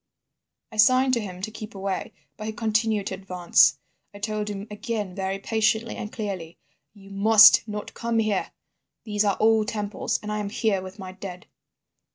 "I signed to him to keep away, but he continued to advance. I told him again very patiently and clearly: 'You must not come here. These are old temples and I am here with my dead.